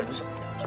eh itu tuh